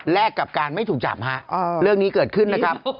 กับการไม่ถูกจับฮะเรื่องนี้เกิดขึ้นนะครับ